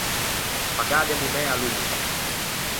Pagâ de monæa longa.